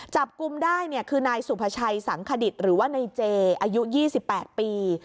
จับกลุ่มได้คือนายสุภาชัยสังขดิษฐ์หรือว่านายเจอายุ๒๘ปี